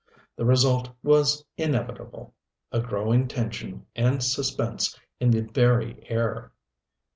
The result was inevitable: a growing tension and suspense in the very air.